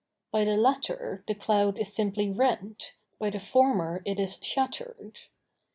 By the latter the cloud is simply rent, by the former it is shattered.